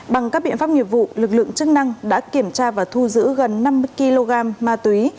bằng các biện pháp nghiệp vụ lực lượng chức năng đã kiểm tra và thu giữ gần năm mươi kg ma túy